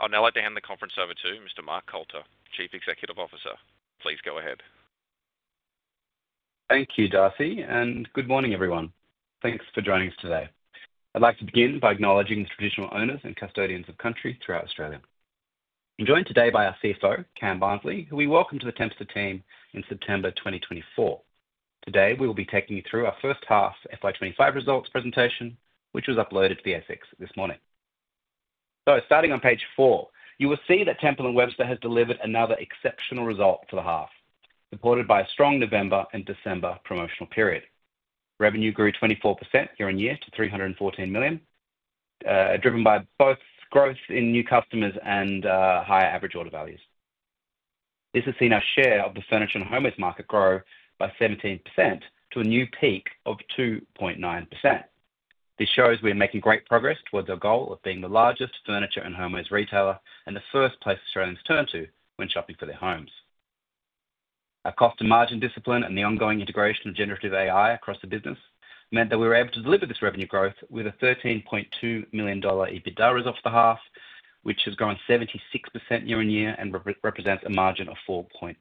I'll now like to hand the conference over to Mr. Mark Coulter, Chief Executive Officer. Please go ahead. Thank you, Darcy, and good morning, everyone. Thanks for joining us today. I'd like to begin by acknowledging the traditional owners and custodians of country throughout Australia. I'm joined today by our CFO, Cam Barnsley, who we welcomed to the Temple & Webster team in September 2024. Today, we will be taking you through our first-half FY2025 results presentation, which was uploaded to the ASX this morning. So, starting on page four, you will see that Temple & Webster has delivered another exceptional result for the half, supported by a strong November and December promotional period. Revenue grew 24% year on year to 314 million, driven by both growth in new customers and higher average order values. This has seen our share of the furniture and homewares market grow by 17% to a new peak of 2.9%. This shows we are making great progress towards our goal of being the largest furniture and homewares retailer and the first place Australians turn to when shopping for their homes. Our cost and margin discipline and the ongoing integration of generative AI across the business meant that we were able to deliver this revenue growth with an 13.2 million dollar EBITDA result for the half, which has grown 76% year-on-year and represents a margin of 4.2%.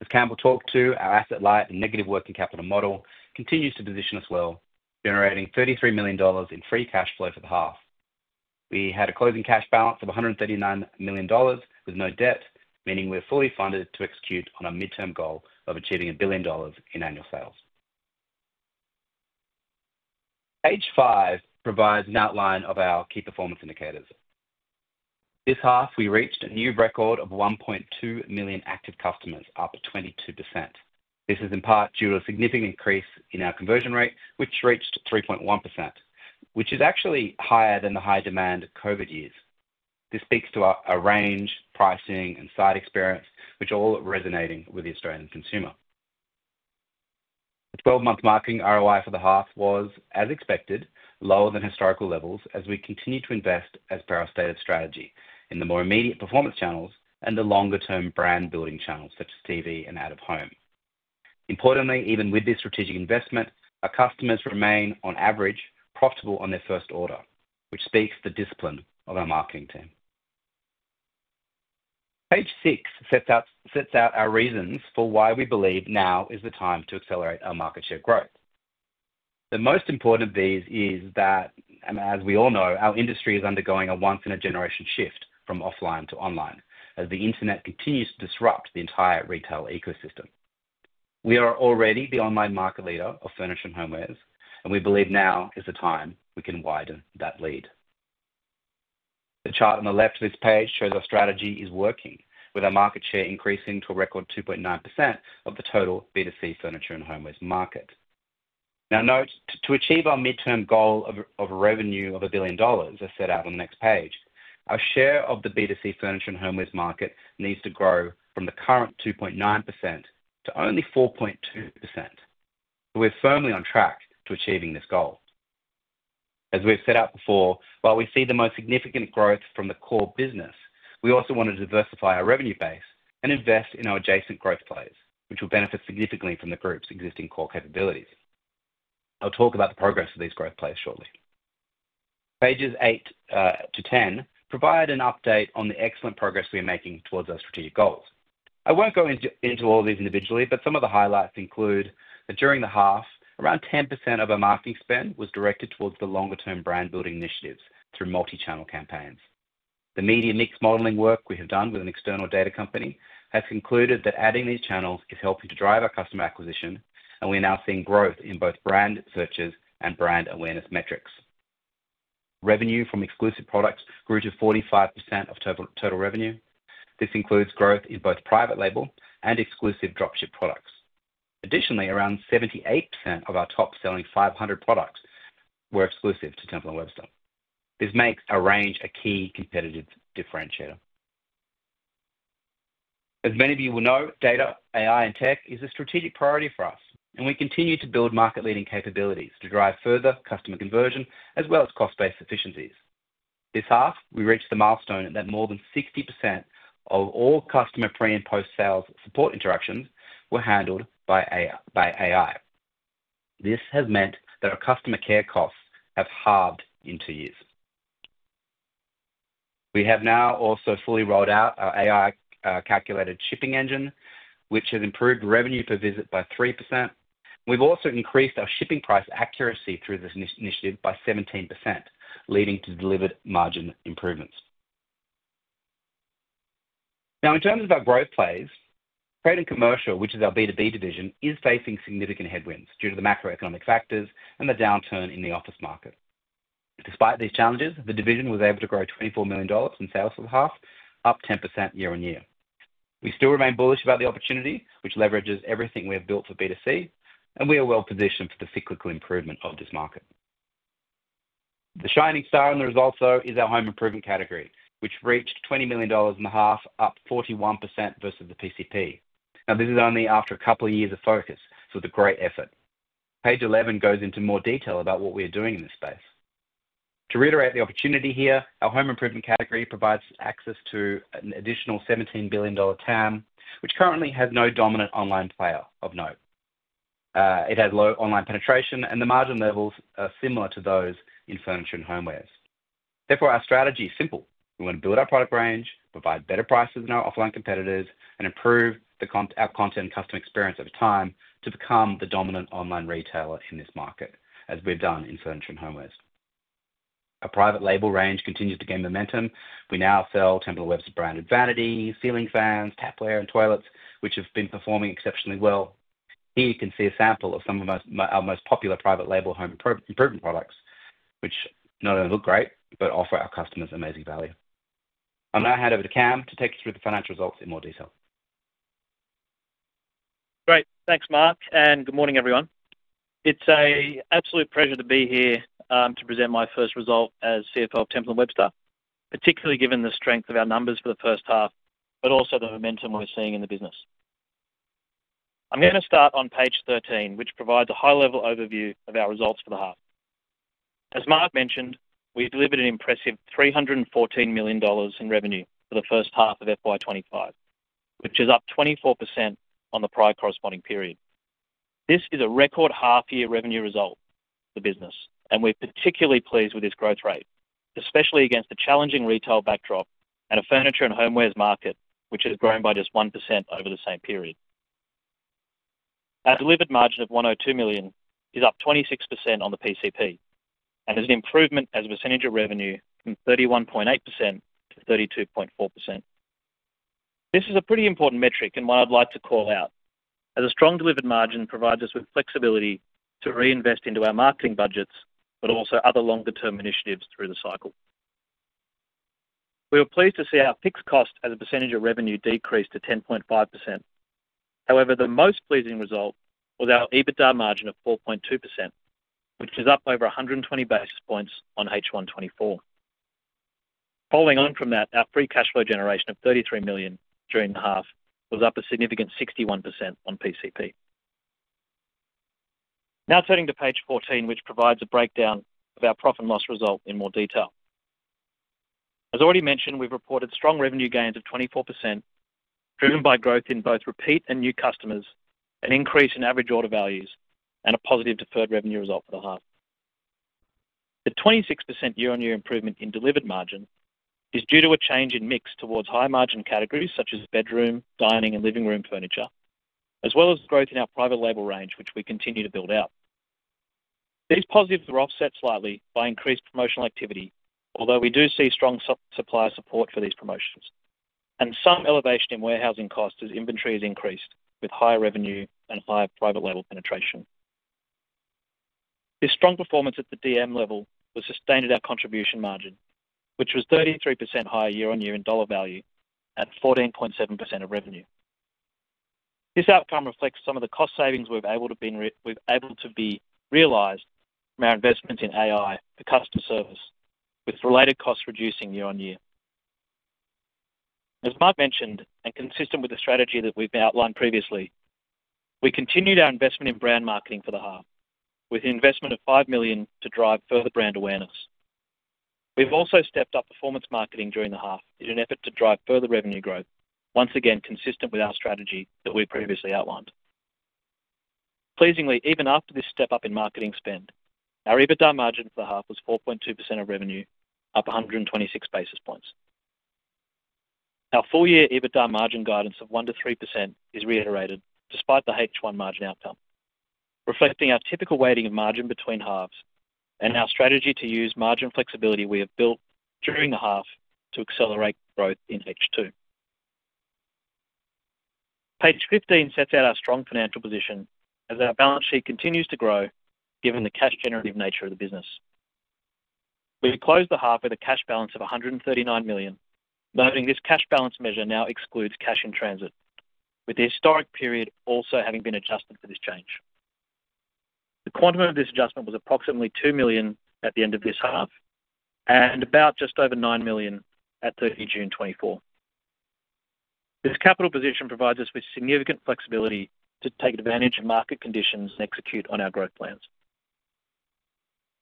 As Cameron talked to, our asset light and negative working capital model continues to position us well, generating 33 million dollars in free cash flow for the half. We had a closing cash balance of 139 million dollars with no debt, meaning we're fully funded to execute on our midterm goal of achieving 1 billion dollars in annual sales. Page five provides an outline of our key performance indicators. This half, we reached a new record of 1.2 million active customers, up 22%. This is in part due to a significant increase in our conversion rate, which reached 3.1%, which is actually higher than the high demand COVID years. This speaks to our range, pricing and site experience, which are all resonating with the Australian consumer. The 12-month marketing ROI for the half was, as expected, lower than historical levels as we continue to invest as per our stated strategy in the more immediate performance channels and the longer-term brand-building channels such as TV and out-of-home. Importantly, even with this strategic investment, our customers remain, on average, profitable on their first order, which speaks to the discipline of our marketing team. Page six sets out our reasons for why we believe now is the time to accelerate our market share growth. The most important of these is that, as we all know, our industry is undergoing a once in a generation shift from offline to online as the internet continues to disrupt the entire retail ecosystem. We are already the online market leader of furniture and homewares, and we believe now is the time we can widen that lead. The chart on the left of this page shows our strategy is working, with our market share increasing to a record 2.9% of the total B2C furniture and homewares market. Now, note, to achieve our midterm goal of a revenue of 1 billion dollars, as set out on the next page, our share of the B2C furniture and homewares market needs to grow from the current 2.9% to only 4.2%. We're firmly on track to achieving this goal. As we've set out before, while we see the most significant growth from the core business, we also want to diversify our revenue base and invest in our adjacent growth players, which will benefit significantly from the group's existing core capabilities. I'll talk about the progress of these growth players shortly. Pages 8 to 10 provide an update on the excellent progress we are making towards our strategic goals. I won't go into all of these individually, but some of the highlights include that during the half, around 10% of our marketing spend was directed towards the longer-term brand-building initiatives through multichannel campaigns. The media mix modelling work we have done with an external data company has concluded that adding these channels is helping to drive our customer acquisition, and we are now seeing growth in both brand searches and brand awareness metrics. Revenue from exclusive products grew to 45% of total revenue. This includes growth in both private label and exclusive dropship products. Additionally, around 78% of our top selling 500 products were exclusive to Temple & Webster. This makes our range a key competitive differentiator. As many of you will know, data, AI, and tech is a strategic priority for us, and we continue to build market-leading capabilities to drive further customer conversion as well as cost-based efficiencies. This half, we reached the milestone that more than 60% of all customer pre- and post-sales support interactions were handled by AI. This has meant that our customer care costs have halved in two years. We have now also fully rolled out our AI-calculated shipping engine, which has improved revenue per visit by 3%. We've also increased our shipping price accuracy through this initiative by 17%, leading to delivered margin improvements. Now, in terms of our growth plays, Trade and Commercial, which is our B2B division, is facing significant headwinds due to the macroeconomic factors and the downturn in the office market. Despite these challenges, the division was able to grow 24 million dollars in sales for the half, up 10% year on year. We still remain bullish about the opportunity, which leverages everything we have built for B2C, and we are well-positioned for the cyclical improvement of this market. The shining star in the results, though, is our Home Improvement category, which reached 20 million dollars in the half, up 41% versus the PCP. Now, this is only after a couple of years of focus, so it's a great effort. Page 11 goes into more detail about what we are doing in this space. To reiterate the opportunity here, our Home Improvement category provides access to an additional 17 billion dollar TAM, which currently has no dominant online player, of note. It has low online penetration, and the margin levels are similar to those in furniture and homewares. Therefore, our strategy is simple. We want to build our product range, provide better prices than our offline competitors, and improve our content and customer experience over time to become the dominant online retailer in this market, as we've done in furniture and homewares. Our private label range continues to gain momentum. We now sell Temple & Webster branded vanities, ceiling fans, tapware and toilets, which have been performing exceptionally well. Here you can see a sample of some of our most popular private label Home Improvement products, which not only look great but offer our customers amazing value. I'll now hand over to Cameron to take us through the financial results in more detail. Great. Thanks, Mark, and good morning, everyone. It's an absolute pleasure to be here to present my first result as CFO of Temple & Webster, particularly given the strength of our numbers for the first half, but also the momentum we're seeing in the business. I'm going to start on page 13, which provides a high-level overview of our results for the half. As Mark mentioned, we delivered an impressive 314 million dollars in revenue for the first-half of FY2025, which is up 24% on the prior corresponding period. This is a record half-year revenue result for the business, and we're particularly pleased with this growth rate, especially against the challenging retail backdrop and a furniture and homewares market, which has grown by just 1% over the same period. Our delivered margin of 102 million is up 26% on the PCP and is an improvement as a percentage of revenue from 31.8% to 32.4%. This is a pretty important metric and one I'd like to call out, as a strong delivered margin provides us with flexibility to reinvest into our marketing budgets, but also other longer-term initiatives through the cycle. We were pleased to see our fixed cost as a percentage of revenue decreased to 10.5%. However, the most pleasing result was our EBITDA margin of 4.2%, which is up over 120 basis points on H124. Following on from that, our free cash flow generation of 33 million during the half was up a significant 61% on PCP. Now turning to page 14, which provides a breakdown of our profit and loss result in more detail. As already mentioned, we've reported strong revenue gains of 24%, driven by growth in both repeat and new customers, an increase in average order values, and a positive deferred revenue result for the half. The 26% year-on-year improvement in delivered margin is due to a change in mix towards high-margin categories such as bedroom, dining, and living room furniture, as well as growth in our private label range, which we continue to build out. These positives were offset slightly by increased promotional activity, although we do see strong supplier support for these promotions and some elevation in warehousing costs as inventory has increased with higher revenue and higher private label penetration. This strong performance at the DM level was sustained at our contribution margin, which was 33% higher year-on-year in dollar value at 14.7% of revenue. This outcome reflects some of the cost savings we've been able to be realized from our investments in AI for customer service, with related costs reducing year-on-year. As Mark mentioned, and consistent with the strategy that we've outlined previously, we continued our investment in brand marketing for the half, with an investment of 5 million to drive further brand awareness. We've also stepped up performance marketing during the half in an effort to drive further revenue growth, once again consistent with our strategy that we previously outlined. Pleasingly, even after this step up in marketing spend, our EBITDA margin for the half was 4.2% of revenue, up 126 basis points. Our full-year EBITDA margin guidance of 1%-3% is reiterated despite the H1 margin outcome, reflecting our typical weighting of margin between halves and our strategy to use margin flexibility we have built during the half to accelerate growth in H2. Page 15 sets out our strong financial position as our balance sheet continues to grow given the cash-generative nature of the business. We closed the half with a cash balance of 139 million, noting this cash balance measure now excludes cash in transit, with the historic period also having been adjusted for this change. The quantum of this adjustment was approximately 2 million at the end of this half and about just over 9 million at 30 June 2024. This capital position provides us with significant flexibility to take advantage of market conditions and execute on our growth plans.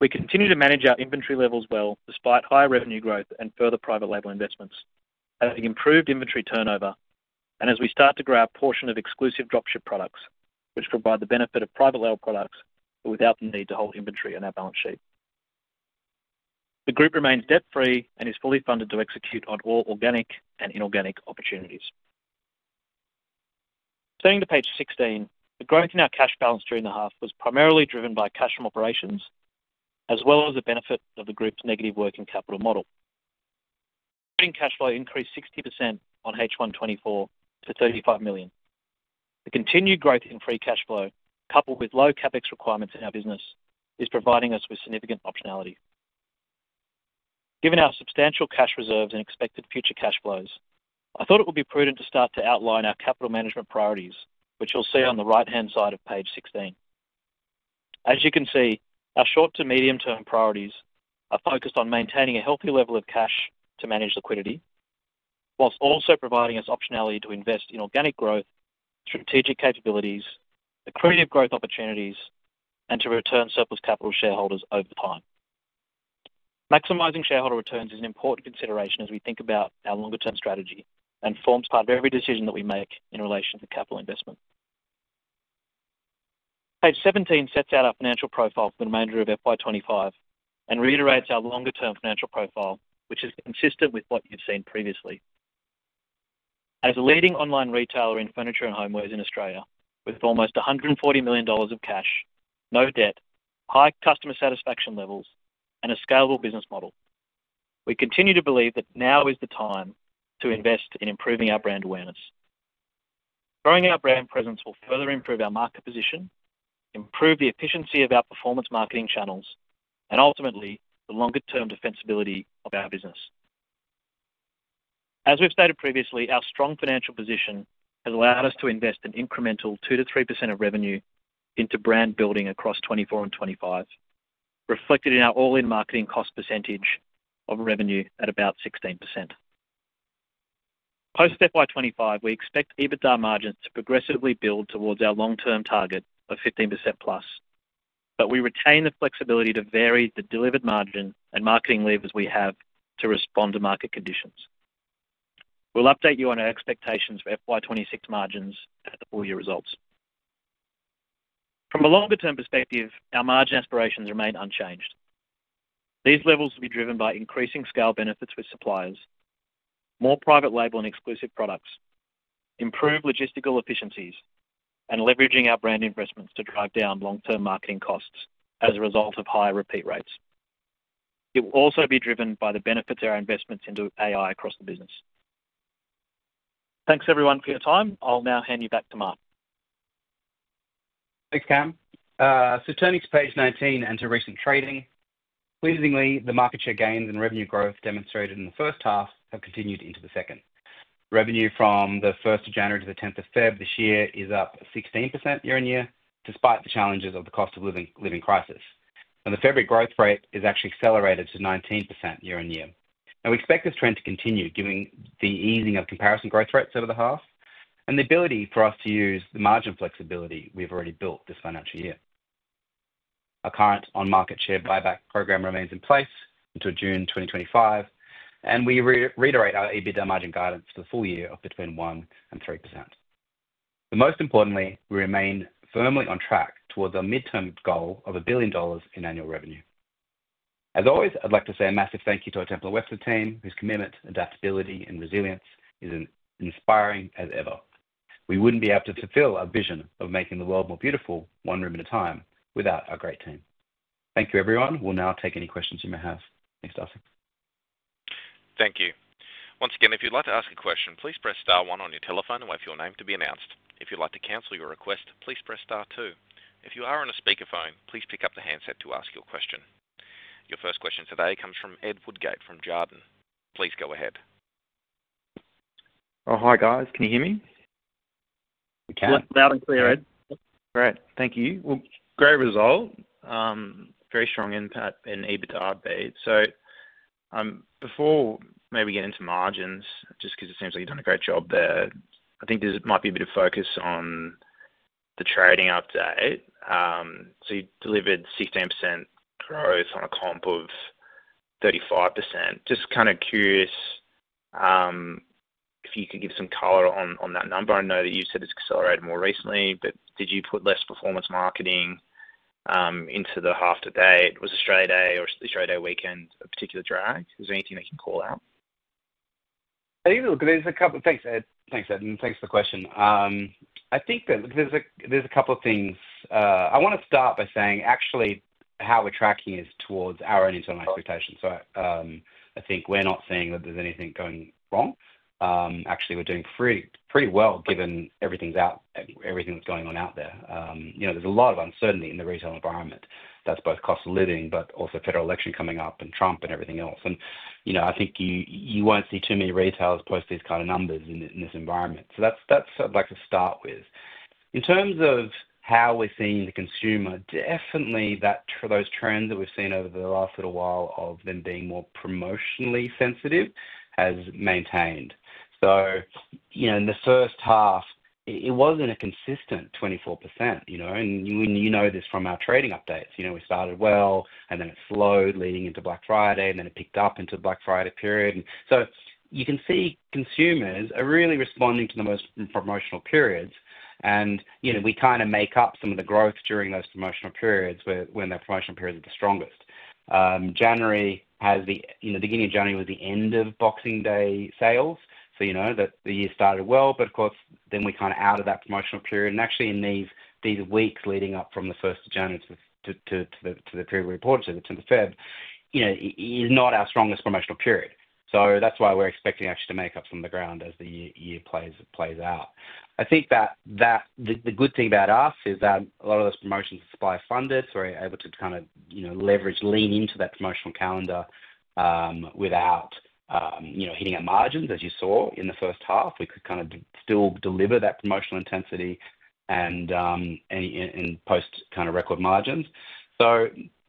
We continue to manage our inventory levels well despite higher revenue growth and further private label investments, having improved inventory turnover, and as we start to grab a portion of exclusive dropship products, which provide the benefit of private label products but without the need to hold inventory on our balance sheet. The group remains debt-free and is fully funded to execute on all organic and inorganic opportunities. Turning to page 16, the growth in our cash balance during the half was primarily driven by cash from operations as well as the benefit of the group's negative working capital model. The operating cash flow increased 60% on H124 to 35 million. The continued growth in free cash flow, coupled with low CapEx requirements in our business, is providing us with significant optionality. Given our substantial cash reserves and expected future cash flows, I thought it would be prudent to start to outline our capital management priorities, which you'll see on the right-hand side of page 16. As you can see, our short- to medium-term priorities are focused on maintaining a healthy level of cash to manage liquidity, while also providing us optionality to invest in organic growth, strategic capabilities, accretive growth opportunities, and to return surplus capital to shareholders over time. Maximizing shareholder returns is an important consideration as we think about our longer-term strategy and forms part of every decision that we make in relation to capital investment. Page 17 sets out our financial profile for the remainder of FY25 and reiterates our longer-term financial profile, which is consistent with what you've seen previously. As a leading online retailer in furniture and homewares in Australia, with almost 140 million dollars of cash, no debt, high customer satisfaction levels, and a scalable business model, we continue to believe that now is the time to invest in improving our brand awareness. Growing our brand presence will further improve our market position, improve the efficiency of our performance marketing channels, and ultimately, the longer-term defensibility of our business. As we've stated previously, our strong financial position has allowed us to invest an incremental 2%-3% of revenue into brand building across 2024 and 2025, reflected in our all-in marketing cost percentage of revenue at about 16%. Post-FY25, we expect EBITDA margins to progressively build towards our long-term target of 15% plus, but we retain the flexibility to vary the delivered margin and marketing levers we have to respond to market conditions. We'll update you on our expectations for FY26 margins at the full-year results. From a longer-term perspective, our margin aspirations remain unchanged. These levels will be driven by increasing scale benefits with suppliers, more private label and exclusive products, improved logistical efficiencies, and leveraging our brand investments to drive down long-term marketing costs as a result of higher repeat rates. It will also be driven by the benefits of our investments into AI across the business. Thanks, everyone, for your time. I'll now hand you back to Mark. Thanks, Cam, so turning to page 19 and to recent trading, pleasingly, the market share gains and revenue growth demonstrated in the first half have continued into the second. Revenue from the 1st of January to the 10th of February this year is up 16% year-on-year, despite the challenges of the cost of living crisis, and the February growth rate is actually accelerated to 19% year-on-year, and we expect this trend to continue, given the easing of comparison growth rates over the half and the ability for us to use the margin flexibility we've already built this financial year. Our current on-market share buyback program remains in place until June 2025, and we reiterate our EBITDA margin guidance for the full year of between 1 and 3%, but most importantly, we remain firmly on track towards our midterm goal of 1 billion dollars in annual revenue. As always, I'd like to say a massive thank you to our Temple & Webster team, whose commitment, adaptability, and resilience is as inspiring as ever. We wouldn't be able to fulfill our vision of making the world more beautiful one room at a time without our great team. Thank you, everyone. We'll now take any questions you may have. Thanks, Darcy. Thank you. Once again, if you'd like to ask a question, please press star one on your telephone and wait for your name to be announced. If you'd like to cancel your request, please press star two. If you are on a speakerphone, please pick up the handset to ask your question. Your first question today comes from Ed Woodgate from Jarden. Please go ahead. Oh, hi, guys. Can you hear me? We can. Loud and clear, Ed. Great. Thank you. Well, great result. Very strong EBITDA beat. So before maybe getting into margins, just because it seems like you've done a great job there, I think there might be a bit of focus on the trading update. So you delivered 16% growth on a comp of 35%. Just kind of curious if you could give some color on that number. I know that you said it's accelerated more recently, but did you put less performance marketing into the half today? Was Australia Day or Australia Day weekend a particular drag? Is there anything they can call out? I think there's a couple of things, Ed. Thanks, Ed, and thanks for the question. I think that there's a couple of things. I want to start by saying, actually, how we're tracking is towards our own internal expectations. So I think we're not seeing that there's anything going wrong. Actually, we're doing pretty well given everything's out, everything that's going on out there. There's a lot of uncertainty in the retail environment. That's both cost of living, but also federal election coming up and Trump and everything else, and I think you won't see too many retailers post these kinds of numbers in this environment, so that's I'd like to start with. In terms of how we're seeing the consumer, definitely those trends that we've seen over the last little while of them being more promotionally sensitive has maintained, so in the first half, it wasn't a consistent 24%. And you know this from our trading updates. We started well, and then it slowed leading into Black Friday, and then it picked up into the Black Friday period. So you can see consumers are really responding to the most promotional periods. And we kind of make up some of the growth during those promotional periods when their promotional periods are the strongest. In the beginning of January was the end of Boxing Day sales. So you know that the year started well, but of course, then we kind of out of that promotional period. And actually, in these weeks leading up from the 1st of January to the period we reported to the 10th of February, it is not our strongest promotional period. So that's why we're expecting actually to make up from the ground as the year plays out. I think that the good thing about us is that a lot of those promotions are supply-funded, so we're able to kind of leverage, lean into that promotional calendar without hitting our margins, as you saw in the first half. We could kind of still deliver that promotional intensity and post kind of record margins.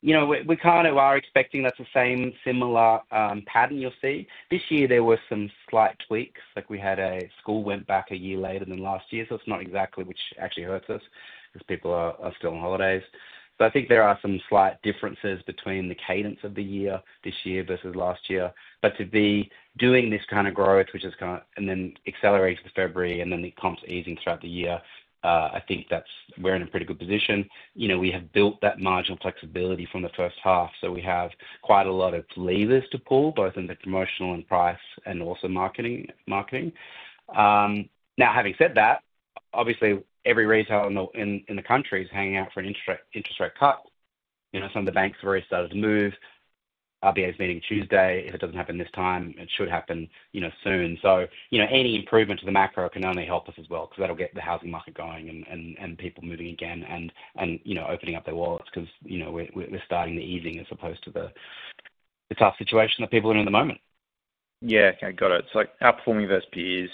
So we kind of are expecting that's the same similar pattern you'll see. This year, there were some slight tweaks. We had a school went back a year later than last year. So it's not exactly which actually hurts us because people are still on holidays. So I think there are some slight differences between the cadence of the year this year versus last year. But to be doing this kind of growth, which is kind of and then accelerating to February, and then the comps easing throughout the year, I think that's we're in a pretty good position. We have built that marginal flexibility from the first half. So we have quite a lot of levers to pull, both in the promotional and price and also marketing. Now, having said that, obviously, every retailer in the country is hanging out for an interest rate cut. Some of the banks have already started to move. RBA's meeting Tuesday. If it doesn't happen this time, it should happen soon. So any improvement to the macro can only help us as well because that'll get the housing market going and people moving again and opening up their wallets because we're starting the easing as opposed to the tough situation that people are in at the moment. Yeah. Okay. Got it. So outperforming versus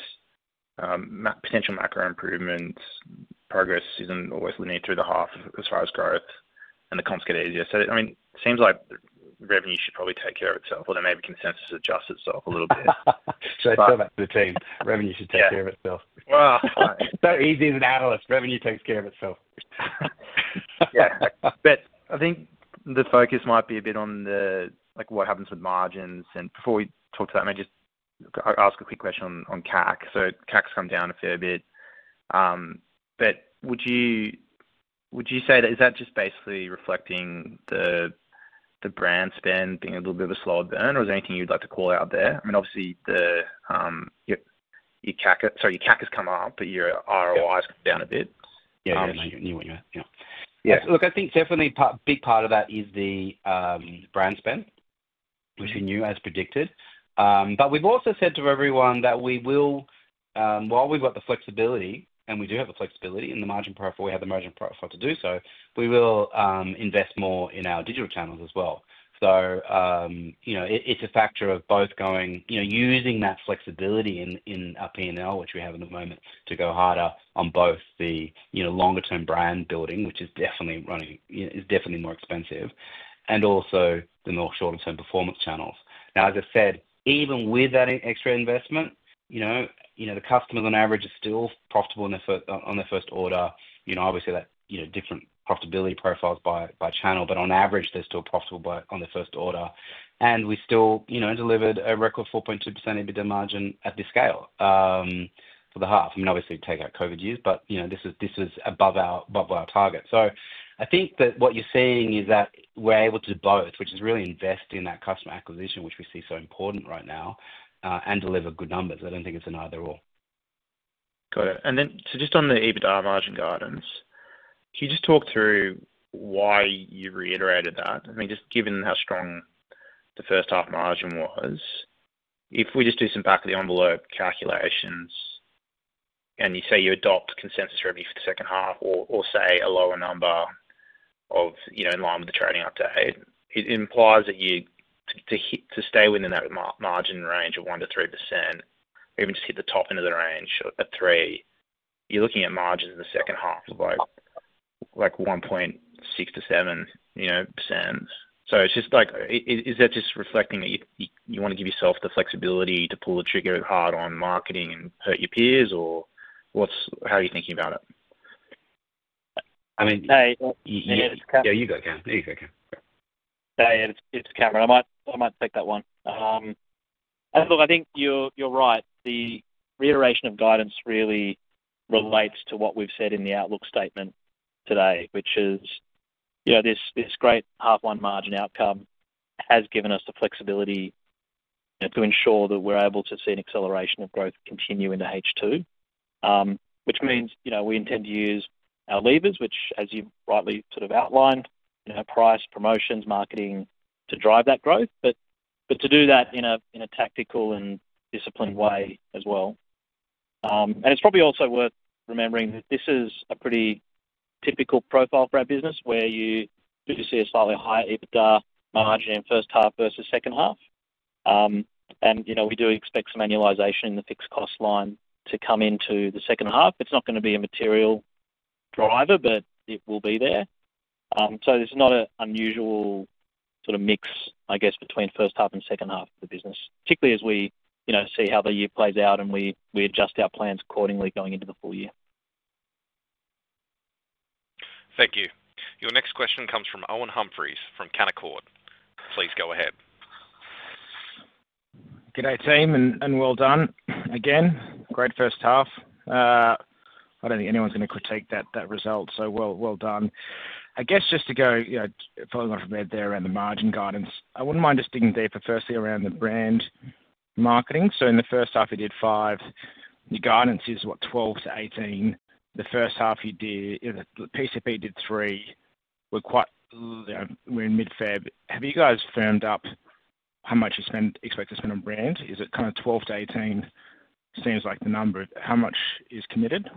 potential macro improvements, progress isn't always linear through the half as far as growth, and the comps get easier. So I mean, it seems like revenue should probably take care of itself, or there may be consensus to adjust itself a little bit. So back to the team. Revenue should take care of itself. So easy as an analyst. Revenue takes care of itself. Yeah. But I think the focus might be a bit on what happens with margins. And before we talk to that, may I just ask a quick question on CAC? So CAC's come down a fair bit. But would you say that is just basically reflecting the brand spend being a little bit of a slower burn, or is there anything you'd like to call out there? I mean, obviously, your CAC has come up, but your ROI has come down a bit. Yeah. You knew what you meant. Yeah. Yeah. Look, I think definitely a big part of that is the brand spend, which we knew as predicted. But we've also said to everyone that we will, while we've got the flexibility, and we do have the flexibility in the margin profile, we have the margin profile to do so, we will invest more in our digital channels as well. So it's a factor of both going using that flexibility in our P&L, which we have at the moment, to go harder on both the longer-term brand-building, which is definitely running is definitely more expensive, and also the more shorter-term performance channels. Now, as I said, even with that extra investment, the customers on average are still profitable on their first order. Obviously, there are different profitability profiles by channel, but on average, they're still profitable on their first order. And we still delivered a record 4.2% EBITDA margin at this scale for the half. I mean, obviously, take out COVID years, but this was above our target. So I think that what you're seeing is that we're able to do both, which is really invest in that customer acquisition, which we see so important right now, and deliver good numbers. I don't think it's an either/or. Got it. And then so just on the EBITDA margin guidance, can you just talk through why you reiterated that? I mean, just given how strong the first half margin was, if we just do some back-of-the-envelope calculations and you say you adopt consensus revenue for the second half or say a lower number in line with the trading update, it implies that to stay within that margin range of 1%-3%, even just hit the top end of the range at 3, you're looking at margins in the second half of like 1.6%-7%. So is that just reflecting that you want to give yourself the flexibility to pull the trigger hard on marketing and hurt your peers, or how are you thinking about it? I mean, hey yeah, you go, Cam. There you go, Cam. Hey, Ed, it's Cameron. I might take that one. Look, I think you're right. The reiteration of guidance really relates to what we've said in the outlook statement today, which is this great half-one margin outcome has given us the flexibility to ensure that we're able to see an acceleration of growth continue in the H2, which means we intend to use our levers, which, as you rightly sort of outlined, price, promotions, marketing to drive that growth, but to do that in a tactical and disciplined way as well. And it's probably also worth remembering that this is a pretty typical profile for our business where you do see a slightly higher EBITDA margin in first half versus second half. And we do expect some annualization in the fixed cost line to come into the second half. It's not going to be a material driver, but it will be there so there's not an unusual sort of mix, I guess, between first half and second half of the business, particularly as we see how the year plays out and we adjust our plans accordingly going into the full year. Thank you. Your next question comes from Owen Humphries from Canaccord Genuity. Please go ahead. Good day, team, and well done again. Great first half. I don't think anyone's going to critique that result, so well done. I guess just to go following off of Ed there around the margin guidance. I wouldn't mind just digging deeper firstly around the brand marketing. So in the first half, you did 5. Your guidance is, what, 12-18. The first half you did, the PCP did 3. We're in mid-February. Have you guys firmed up how much you expect to spend on brand? Is it kind of 12-18? Seems like the number. How much is committed?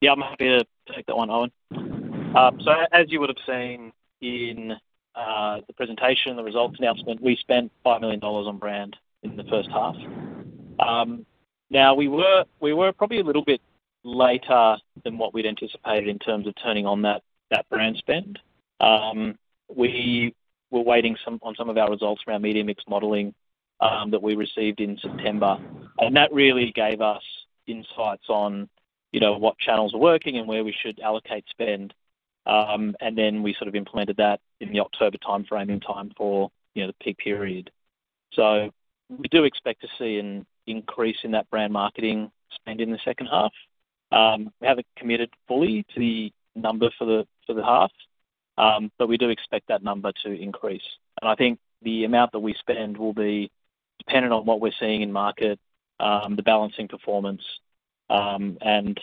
Yeah, I'm happy to take that one, Owen, so as you would have seen in the presentation, the results announcement, we spent 5 million dollars on brand in the first half. Now, we were probably a little bit later than what we'd anticipated in terms of turning on that brand spend. We were waiting on some of our results from our media mix modelling that we received in September, and that really gave us insights on what channels are working and where we should allocate spend, and then we sort of implemented that in the October timeframe in time for the peak period, so we do expect to see an increase in that brand marketing spend in the second half. We haven't committed fully to the number for the half, but we do expect that number to increase. And I think the amount that we spend will be dependent on what we're seeing in market, the balancing performance, and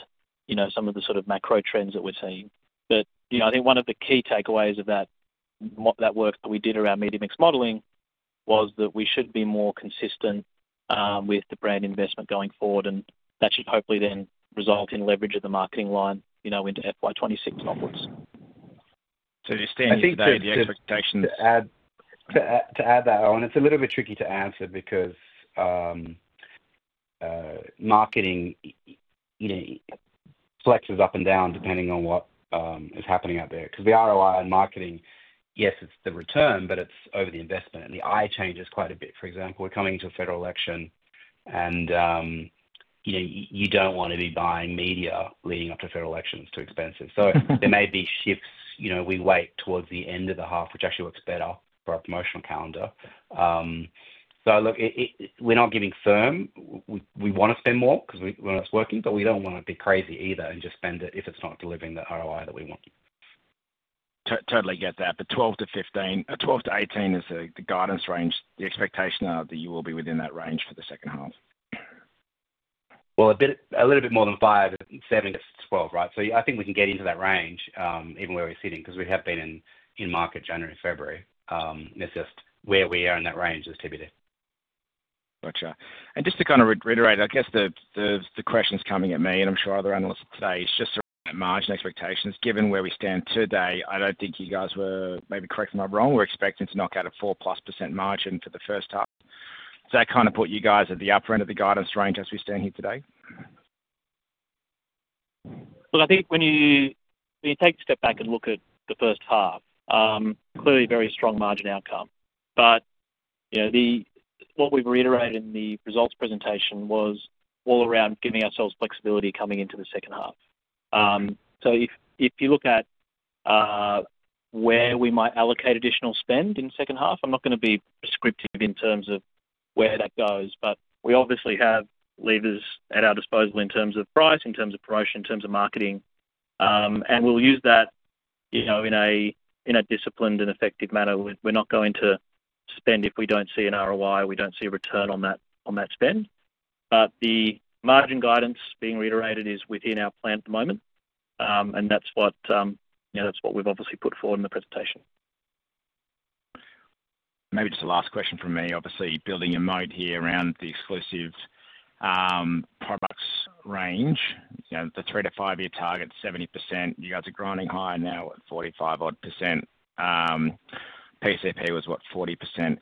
some of the sort of macro trends that we're seeing. But I think one of the key takeaways of that work that we did around media mix modelling was that we should be more consistent with the brand investment going forward, and that should hopefully then result in leverage of the marketing line into FY26 and upwards. So you're standing today, the expectations. To add that, Owen, it's a little bit tricky to answer because marketing flexes up and down depending on what is happening out there. Because the ROI on marketing, yes, it's the return, but it's over the investment, and the I changes quite a bit. For example, we're coming into a federal election, and you don't want to be buying media leading up to federal elections, too expensive, so there may be shifts. We weight towards the end of the half, which actually works better for our promotional calendar. So look, we're not giving firm. We want to spend more because we want it's working, but we don't want to be crazy either and just spend it if it's not delivering that ROI that we want. Totally get that, but 12 to 15, 12 to 18 is the guidance range. The expectation is that you will be within that range for the second half. A little bit more than 5.7 to 12, right? So I think we can get into that range even where we're sitting because we have been in market January and February. It's just where we are in that range is TBD. Gotcha. And just to kind of reiterate, I guess the question's coming at me, and I'm sure other analysts today is just around that margin expectations. Given where we stand today, I don't think you guys were, maybe correct me if I'm wrong. We're expecting to knock out a 4+% margin for the first half. Does that kind of put you guys at the upper end of the guidance range as we stand here today? Look, I think when you take a step back and look at the first half, clearly very strong margin outcome. But what we've reiterated in the results presentation was all around giving ourselves flexibility coming into the second half. So if you look at where we might allocate additional spend in the second half, I'm not going to be prescriptive in terms of where that goes, but we obviously have levers at our disposal in terms of price, in terms of promotion, in terms of marketing. And we'll use that in a disciplined and effective manner. We're not going to spend if we don't see an ROI, we don't see a return on that spend. But the margin guidance, being reiterated, is within our plan at the moment. And that's what we've obviously put forward in the presentation. Maybe just a last question from me. Obviously, building your model here around the exclusive products range, the three to five-year target, 70%. You guys are grinding higher now at 45-odd%. PCP was, what, 40%.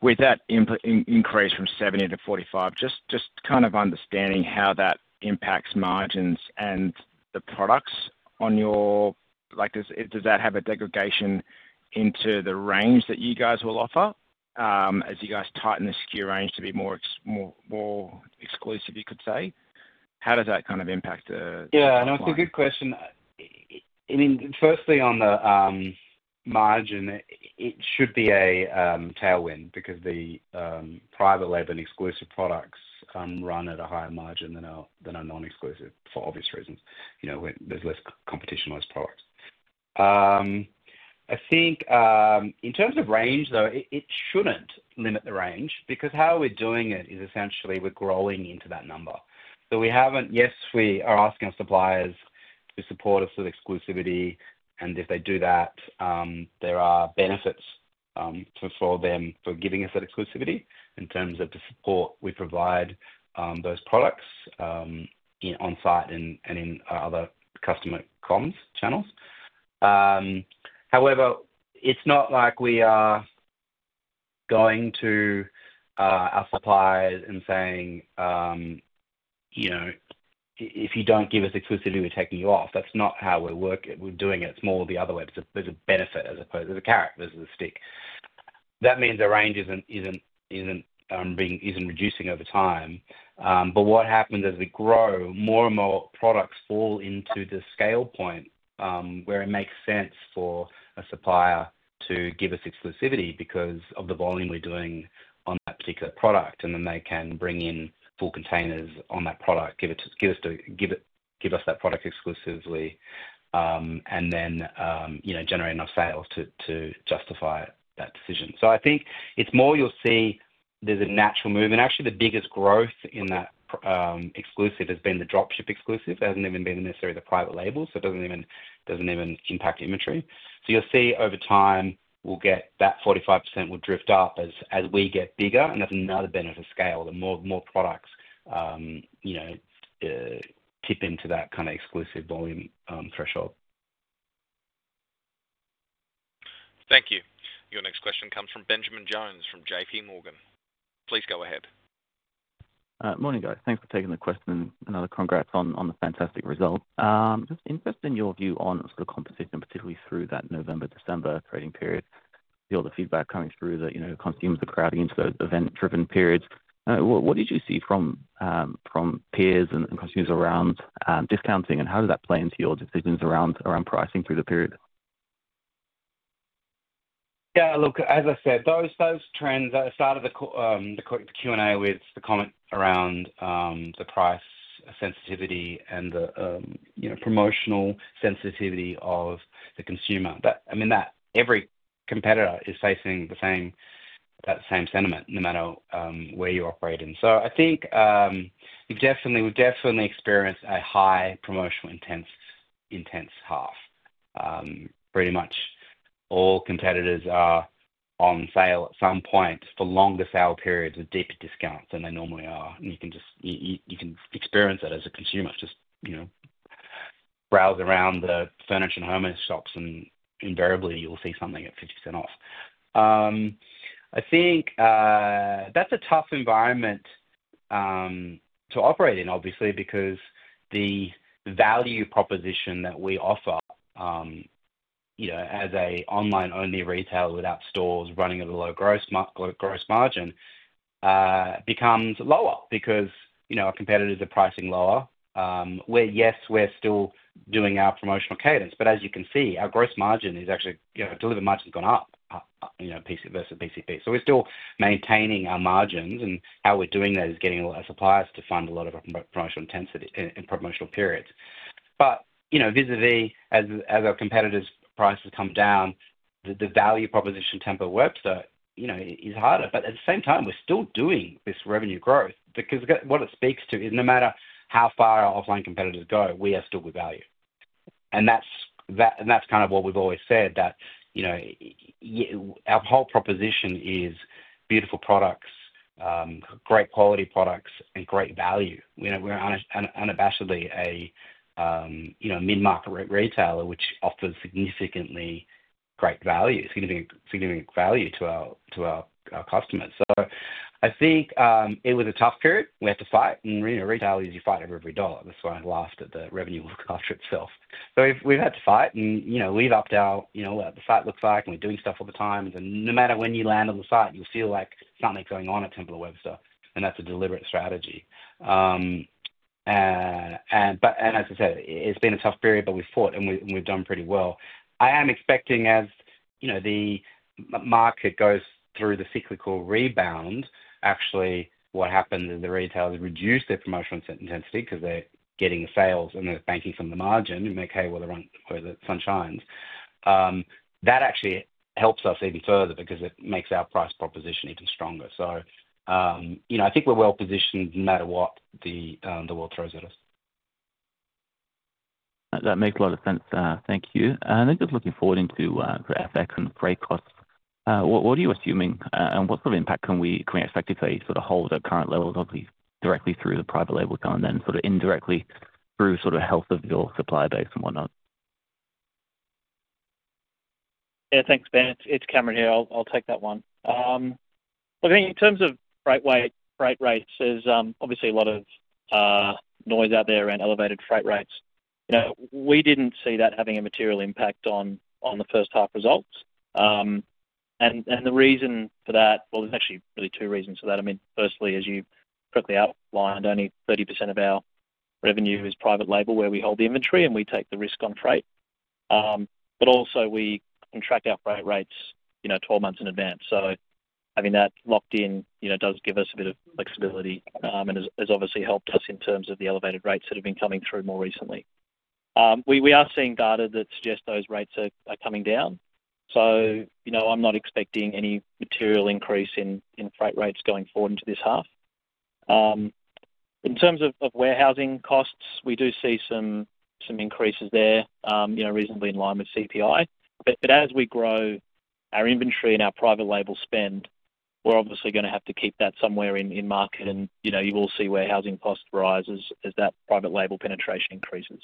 With that increase from 17 to 45, just kind of understanding how that impacts margins and the products on your end, does that have a degradation into the range that you guys will offer as you guys tighten the SKU range to be more exclusive, you could say? How does that kind of impact the? Yeah. No, it's a good question. I mean, firstly, on the margin, it should be a tailwind because the private label and exclusive products run at a higher margin than our non-exclusive for obvious reasons. There's less competition on those products. I think in terms of range, though, it shouldn't limit the range because how we're doing it is essentially we're growing into that number. So yes, we are asking our suppliers to support us with exclusivity. And if they do that, there are benefits for them for giving us that exclusivity in terms of the support we provide those products on-site and in other customer comms channels. However, it's not like we are going to our suppliers and saying, "If you don't give us exclusivity, we're taking you off." That's not how we're doing it. It's more the other way. It's a benefit as opposed to a carrot versus a stick. That means our range isn't reducing over time. But what happens as we grow, more and more products fall into the scale point where it makes sense for a supplier to give us exclusivity because of the volume we're doing on that particular product. And then they can bring in full containers on that product, give us that product exclusively, and then generate enough sales to justify that decision. So I think it's more you'll see there's a natural movement. Actually, the biggest growth in that exclusive has been the dropship exclusive. It hasn't even been necessarily the private label, so it doesn't even impact inventory. So you'll see over time, that 45% will drift up as we get bigger. And that's another benefit of scale. The more products tip into that kind of exclusive volume threshold. Thank you. Your next question comes from Benjamin Jones from J.P. Morgan. Please go ahead. Morning, guys. Thanks for taking the question. And another congrats on the fantastic result. Just interested in your view on sort of competition, particularly through that November-December trading period. You've got the feedback coming through that consumers are crowding into those event-driven periods. What did you see from peers and consumers around discounting, and how did that play into your decisions around pricing through the period? Yeah. Look, as I said, those trends at the start of the Q&A with the comment around the price sensitivity and the promotional sensitivity of the consumer, I mean, every competitor is facing that same sentiment no matter where you operate in. So I think we've definitely experienced a high promotional intense half. Pretty much all competitors are on sale at some point for longer sale periods with deeper discounts than they normally are. And you can experience that as a consumer. Just browse around the furniture and home shops, and invariably, you'll see something at 50% off. I think that's a tough environment to operate in, obviously, because the value proposition that we offer as an online-only retailer without stores running at a low gross margin becomes lower because our competitors are pricing lower. Well, yes, we're still doing our promotional cadence, but as you can see, our gross margin is actually delivered margin has gone up versus PCP. We're still maintaining our margins, and how we're doing that is getting a lot of suppliers to fund a lot of promotional periods. Vis-à-vis, as our competitors' prices come down, the value proposition Temple works. It's harder. At the same time, we're still doing this revenue growth because what it speaks to is no matter how far our offline competitors go, we are still with value. That's kind of what we've always said, that our whole proposition is beautiful products, great quality products, and great value. We're unabashedly a mid-market retailer, which offers significantly great value, significant value to our customers. I think it was a tough period. We had to fight. Retail is you fight every dollar. That's why I laughed at the revenue after itself. So we've had to fight, and we've upped our what the site looks like, and we're doing stuff all the time. And no matter when you land on the site, you'll feel like something's going on at Temple & Webster. And that's a deliberate strategy. But as I said, it's been a tough period, but we've fought, and we've done pretty well. I am expecting as the market goes through the cyclical rebound, actually what happens is the retailers reduce their promotional intensity because they're getting the sales and they're banking from the margin and they're okay where the sun shines. That actually helps us even further because it makes our price proposition even stronger. So I think we're well positioned no matter what the world throws at us. That makes a lot of sense. Thank you. And then just looking forward into the FX and freight costs, what are you assuming, and what sort of impact can we expect if they sort of hold at current levels, obviously, directly through the private label and then sort of indirectly through sort of health of your supply base and whatnot? Yeah, thanks, Ben. It's Cameron here. I'll take that one. Look, I think in terms of freight rates is obviously a lot of noise out there around elevated freight rates. We didn't see that having a material impact on the first half results, and the reason for that, well, there's actually really two reasons for that. I mean, firstly, as you've correctly outlined, only 30% of our revenue is private label where we hold the inventory and we take the risk on freight. But also, we contract our freight rates 12 months in advance, so having that locked in does give us a bit of flexibility and has obviously helped us in terms of the elevated rates that have been coming through more recently. We are seeing data that suggests those rates are coming down, so I'm not expecting any material increase in freight rates going forward into this half. In terms of warehousing costs, we do see some increases there, reasonably in line with CPI, but as we grow our inventory and our private label spend, we're obviously going to have to keep that somewhere in market, and you will see warehousing costs rise as that private label penetration increases.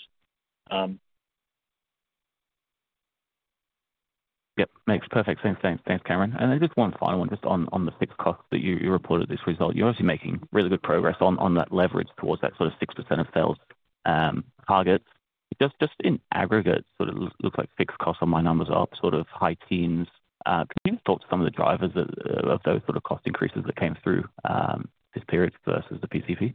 Yep. Makes perfect sense. Thanks, Cameron. And just one final one, just on the fixed costs that you reported this result, you're obviously making really good progress on that leverage towards that sort of 6% of sales target. Just in aggregate, sort of looks like fixed costs on my numbers are up sort of high teens. Can you talk to some of the drivers of those sort of cost increases that came through this period versus the PCP?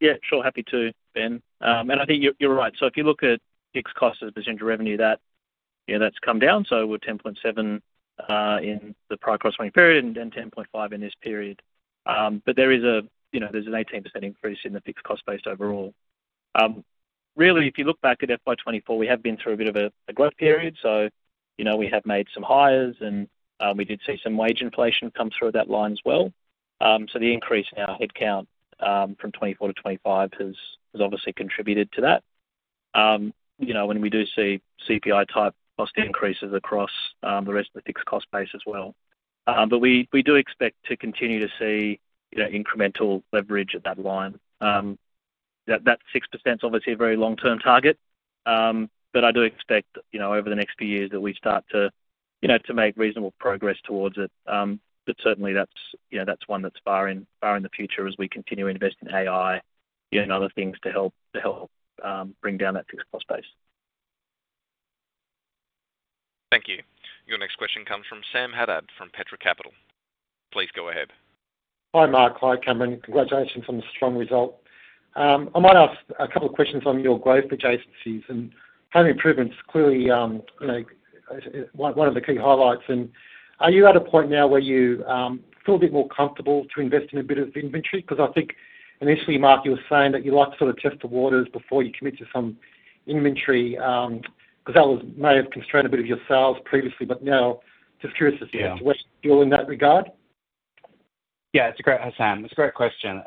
Yeah, sure. Happy to, Ben, and I think you're right. So if you look at fixed costs as percentage of revenue, that's come down. So we're 10.7% in the prior corresponding period and 10.5% in this period. But there is an 18% increase in the fixed cost base overall. Really, if you look back at FY24, we have been through a bit of a growth period. So we have made some hires, and we did see some wage inflation come through that line as well. So the increase in our headcount from 24 to 25 has obviously contributed to that. And we do see CPI-type cost increases across the rest of the fixed cost base as well. But we do expect to continue to see incremental leverage at that line. That 6% is obviously a very long-term target. But I do expect over the next few years that we start to make reasonable progress towards it. But certainly, that's one that's far in the future as we continue to invest in AI and other things to help bring down that fixed cost base. Thank you. Your next question comes from Sam Haddad from Petra Capital. Please go ahead. Hi, Mark. Hi, Cameron. Congratulations on the strong result. I might ask a couple of questions on your growth adjacencies and Home Improvements, clearly one of the key highlights, and are you at a point now where you feel a bit more comfortable to invest in a bit of inventory? Because I think initially, Mark, you were saying that you'd like to sort of test the waters before you commit to some inventory because that may have constrained a bit of your sales previously, but now, just curious as to where you feel in that regard. Yeah. That's a great question.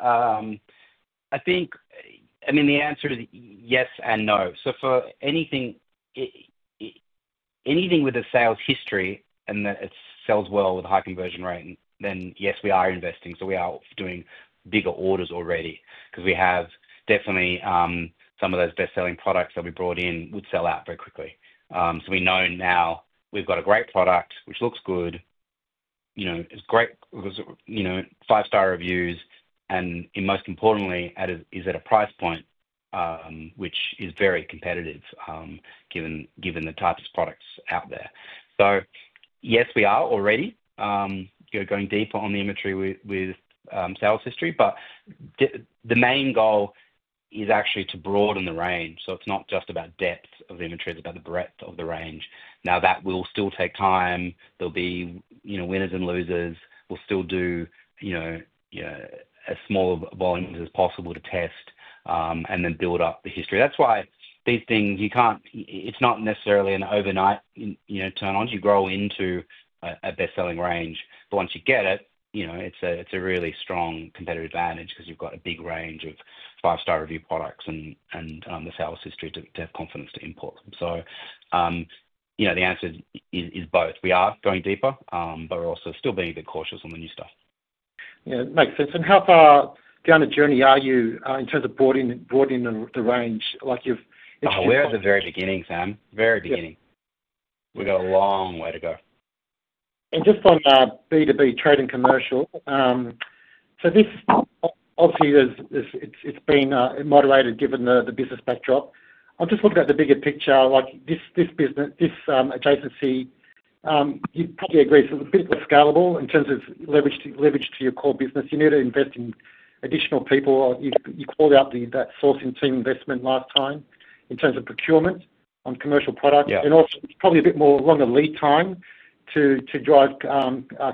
I mean, the answer is yes and no. So for anything with a sales history and that it sells well with a high conversion rate, then yes, we are investing. So we are doing bigger orders already because we have definitely some of those best-selling products that we brought in would sell out very quickly. So we know now we've got a great product, which looks good, has great five-star reviews, and most importantly, is at a price point which is very competitive given the type of products out there. So yes, we are already going deeper on the inventory with sales history. But the main goal is actually to broaden the range. So it's not just about depth of inventory. It's about the breadth of the range. Now, that will still take time. There'll be winners and losers. We'll still do as small volumes as possible to test and then build up the history. That's why these things, it's not necessarily an overnight turn-on. You grow into a best-selling range. But once you get it, it's a really strong competitive advantage because you've got a big range of five-star review products and the sales history to have confidence to import them. So the answer is both. We are going deeper, but we're also still being a bit cautious on the new stuff. Yeah. Makes sense, and how far down the journey are you in terms of broadening the range? Like you've. We're at the very beginning, Sam. Very beginning. We've got a long way to go. And just on B2B Trade and Commercial, so this obviously has been moderated given the business backdrop. I'll just look at the bigger picture. This adjacency, you probably agree, it's a bit more scalable in terms of leverage to your core business. You need to invest in additional people. You called out that sourcing team investment last time in terms of procurement on commercial products. And also, it's probably a bit more along the lead time to drive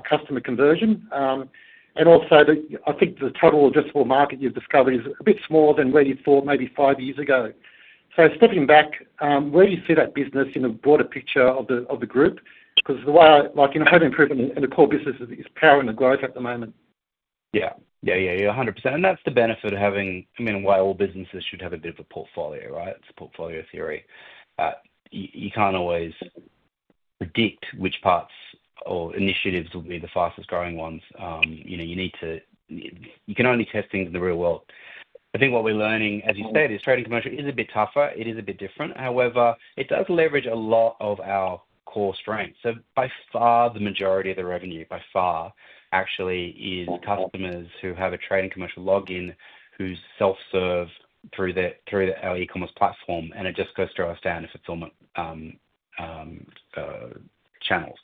customer conversion. And also, I think the total addressable market you've discovered is a bit smaller than where you thought maybe five years ago. So stepping back, where do you see that business in the broader picture of the group? Because the way Home Improvement and the core business is powering the growth at the moment. Yeah. Yeah, yeah, yeah. 100%. And that's the benefit of having, I mean, why all businesses should have a bit of a portfolio, right? It's portfolio theory. You can't always predict which parts or initiatives will be the fastest growing ones. You can only test things in the real world. I think what we're learning, as you said, is Trade and Commercial is a bit tougher. It is a bit different. However, it does leverage a lot of our core strengths. So by far, the majority of the revenue, by far, actually, is customers who have a Trade and Commercial login who self-serve through our e-commerce platform, and it just goes through our standard fulfillment channels.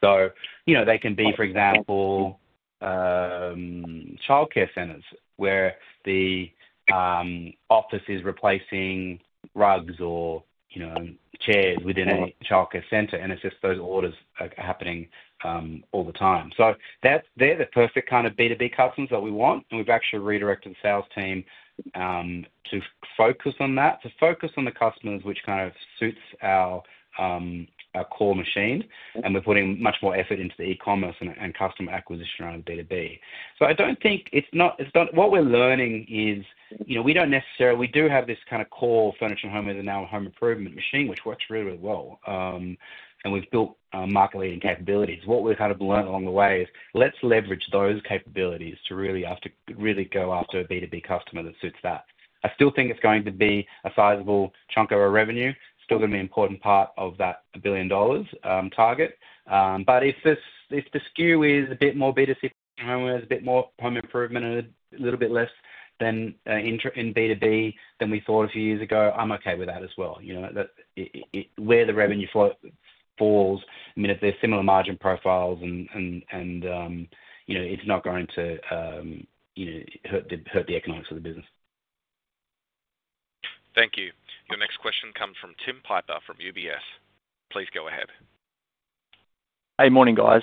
So they can be, for example, childcare centres where the office is replacing rugs or chairs within a childcare center, and it's just those orders happening all the time. They're the perfect kind of B2B customers that we want. We've actually redirected the sales team to focus on that, to focus on the customers which kind of suits our core machine. We're putting much more effort into the e-commerce and customer acquisition around B2B. I don't think it's not what we're learning is we don't necessarily. We do have this kind of core furniture and homewares and now Home Improvement machine, which works really, really well. We've built market-leading capabilities. What we've kind of learned along the way is let's leverage those capabilities to really go after a B2B customer that suits that. I still think it's going to be a sizable chunk of our revenue. It's still going to be an important part of that 1 billion dollars target. But if the skew is a bit more B2C furniture and Home Improvement and a little bit less in B2B than we thought a few years ago, I'm okay with that as well. Where the revenue falls, I mean, if they're similar margin profiles, and it's not going to hurt the economics of the business. Thank you. Your next question comes from Tim Piper from UBS. Please go ahead. Hey, morning, guys.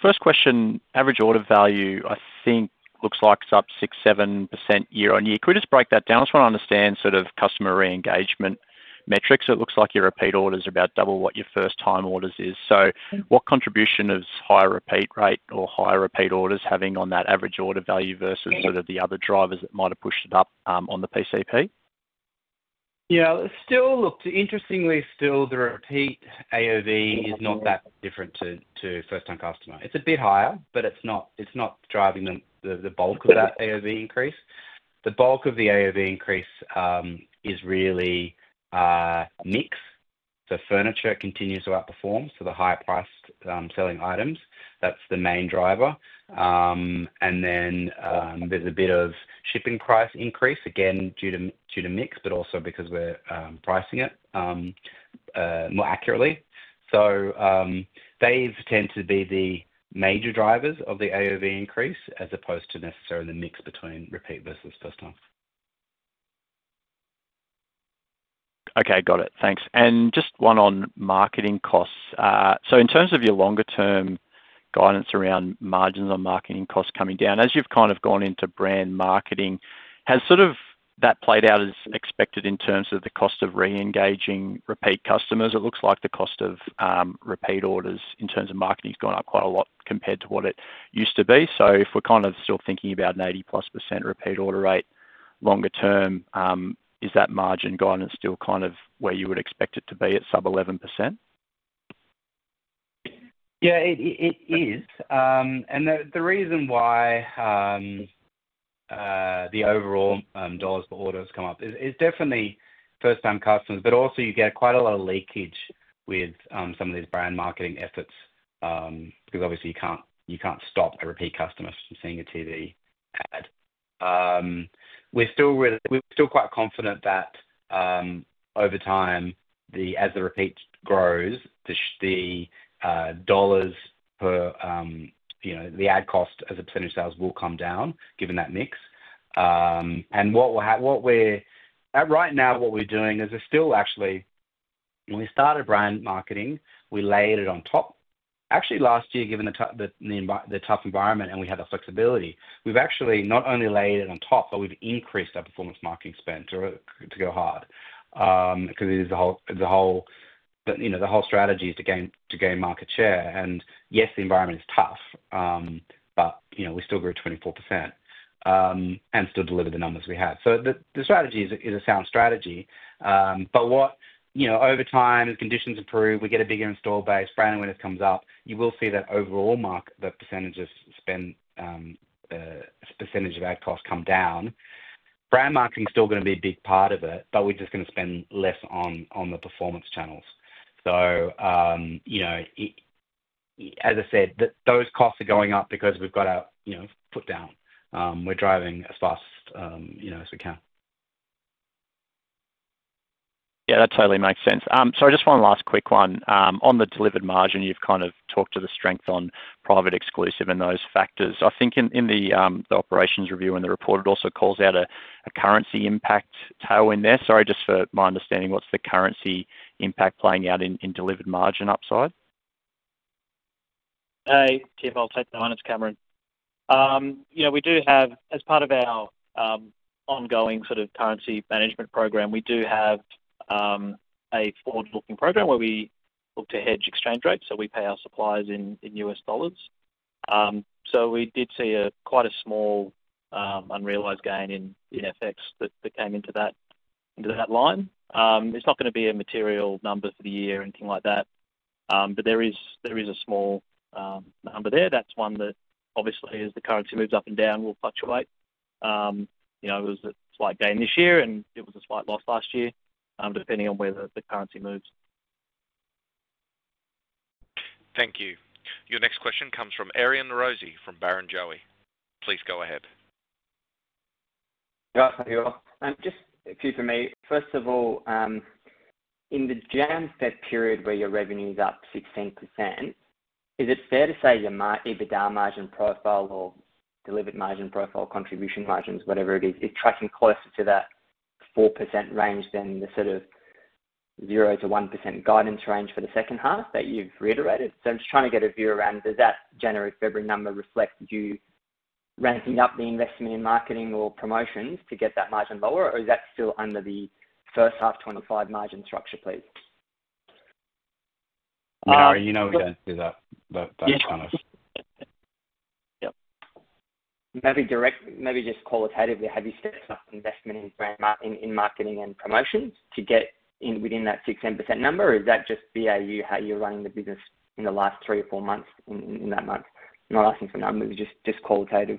First question, average order value, I think, looks like it's up 6-7% year on year. Could you just break that down? I just want to understand sort of customer re-engagement metrics. It looks like your repeat orders are about double what your first-time orders is. So what contribution is higher repeat rate or higher repeat orders having on that average order value versus sort of the other drivers that might have pushed it up on the PCP? Yeah. Look, interestingly, still, the repeat AOV is not that different to first-time customer. It's a bit higher, but it's not driving the bulk of that AOV increase. The bulk of the AOV increase is really mix. So furniture continues to outperform. So the higher-priced selling items, that's the main driver. And then there's a bit of shipping price increase, again, due to mix, but also because we're pricing it more accurately. So they tend to be the major drivers of the AOV increase as opposed to necessarily the mix between repeat versus first-time. Okay. Got it. Thanks. And just one on marketing costs. So in terms of your longer-term guidance around margins on marketing costs coming down, as you've kind of gone into brand marketing, has sort of that played out as expected in terms of the cost of re-engaging repeat customers? It looks like the cost of repeat orders in terms of marketing has gone up quite a lot compared to what it used to be. So if we're kind of still thinking about an 80-plus % repeat order rate longer term, is that margin guidance still kind of where you would expect it to be at sub-11%? Yeah, it is. And the reason why the overall dollars per order has come up is definitely first-time customers, but also you get quite a lot of leakage with some of these brand marketing efforts because obviously, you can't stop a repeat customer from seeing a TV ad. We're still quite confident that over time, as the repeat grows, the dollars per the ad cost as a percentage of sales will come down given that mix. And right now, what we're doing is we're still actually, when we started brand marketing, we layered it on top. Actually, last year, given the tough environment and we had the flexibility, we've actually not only layered it on top, but we've increased our performance marketing spend to go hard because the whole strategy is to gain market share. Yes, the environment is tough, but we still grew 24% and still delivered the numbers we had. The strategy is a sound strategy. Over time, as conditions improve, we get a bigger installed base. Brand awareness comes up. You will see that overall, the percentage of spend, percentage of ad costs come down. Brand marketing is still going to be a big part of it, but we're just going to spend less on the performance channels. As I said, those costs are going up because we've got our foot down. We're driving as fast as we can. Yeah, that totally makes sense. Sorry, just one last quick one. On the delivered margin, you've kind of talked to the strength on private, exclusive and those factors. I think in the Operations Review and the report, it also calls out a currency impact tailwind there. Sorry, just for my understanding, what's the currency impact playing out in delivered margin upside? Hey, Tim. I'll take that one. It's Cameron. We do have, as part of our ongoing sort of currency management program, we do have a forward-looking program where we look to hedge exchange rates. So we pay our suppliers in US dollars. So we did see quite a small unrealized gain in FX that came into that line. It's not going to be a material number for the year or anything like that, but there is a small number there. That's one that obviously, as the currency moves up and down, will fluctuate. It was a slight gain this year, and it was a slight loss last year, depending on where the currency moves. Thank you. Your next question comes from Aryan Norozi from Barrenjoey. Please go ahead. Yep. There you are. Just a few for me. First of all, in the Jan-Feb period where your revenue is up 16%, is it fair to say your EBITDA margin profile or delivered margin profile, contribution margins, whatever it is, is tracking closer to that 4% range than the sort of 0%-1% guidance range for the second half that you've reiterated? So I'm just trying to get a view around, does that January-February number reflect you ramping up the investment in marketing or promotions to get that margin lower, or is that still under the first half 2025 margin structure, please? No, you know we don't do that. That's kind of. Yep. Maybe just qualitatively, have you stepped up investment in marketing and promotions to get within that 16% number, or is that just BAU, how you're running the business in the last three or four months in that month? Not asking for numbers, just qualitative.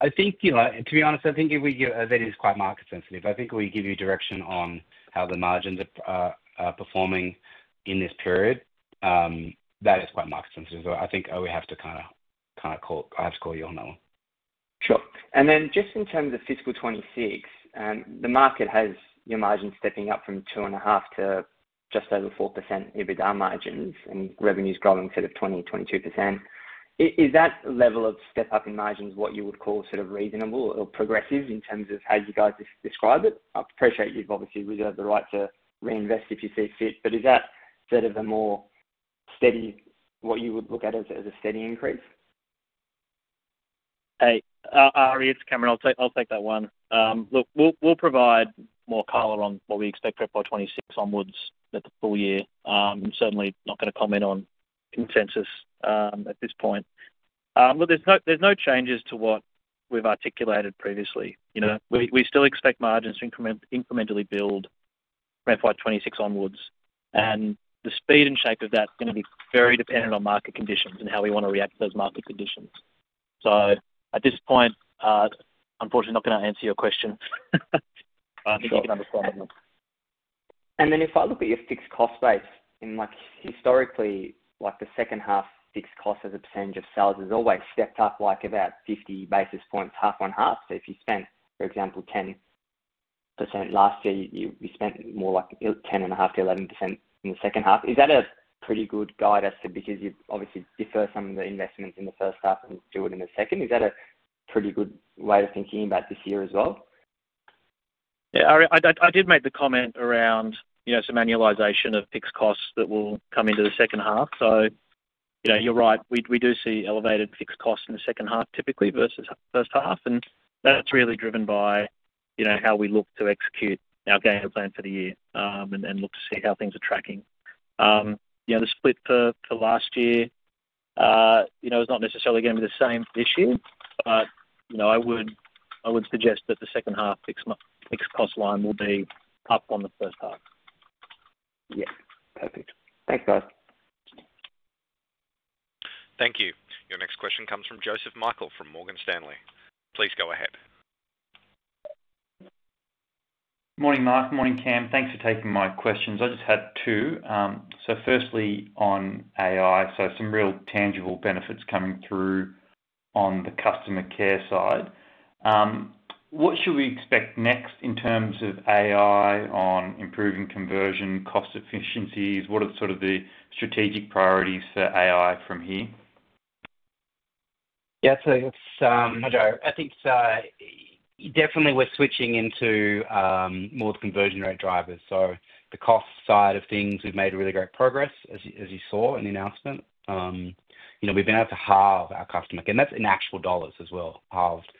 I think, to be honest, I think that is quite market-sensitive. I think we give you direction on how the margins are performing in this period. That is quite market-sensitive. So I think we have to kind of call you on that one. Sure. And then just in terms of fiscal 2026, the market has your margin stepping up from 2.5% to just over 4% EBITDA margins and revenues growing instead of 20%-22%. Is that level of step-up in margins what you would call sort of reasonable or progressive in terms of how you guys describe it? I appreciate you've obviously reserved the right to reinvest if you see fit, but is that sort of a more steady what you would look at as a steady increase? Hey, Aryan, it's Cameron. I'll take that one. Look, we'll provide more color on what we expect for 2026 onwards for the full year. I'm certainly not going to comment on consensus at this point. But there's no changes to what we've articulated previously. We still expect margins to incrementally build from 2026 onwards. And the speed and shape of that is going to be very dependent on market conditions and how we want to react to those market conditions. So at this point, unfortunately, I'm not going to answer your question. I think you can understand that one. And then if I look at your fixed cost base, historically, the second half fixed cost as a percentage of sales has always stepped up like about 50 basis points, half on half. So if you spent, for example, 10% last year, you spent more like 10.5%-11% in the second half. Is that a pretty good guide as to because you obviously defer some of the investments in the first half and do it in the second? Is that a pretty good way of thinking about this year as well? Yeah. I did make the comment around some annualization of fixed costs that will come into the second half. So you're right. We do see elevated fixed costs in the second half typically versus first half. And that's really driven by how we look to execute our game plan for the year and look to see how things are tracking. The split for last year is not necessarily going to be the same this year, but I would suggest that the second half fixed cost line will be up on the first half. Yeah. Perfect. Thanks, guys. Thank you. Your next question comes from Joseph Michael from Morgan Stanley. Please go ahead. Morning, Mark. Morning, Cam. Thanks for taking my questions. I just had two. So firstly, on AI, so some real tangible benefits coming through on the customer care side. What should we expect next in terms of AI on improving conversion, cost efficiencies? What are sort of the strategic priorities for AI from here? Yeah. So I think definitely we're switching into more conversion rate drivers. So the cost side of things, we've made really great progress, as you saw in the announcement. We've been able to halve our customer care. And that's in actual dollars as well, halved